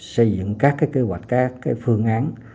xây dựng các kế hoạch các phương án